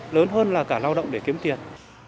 lớn hơn là cả lao động để kiếm tiền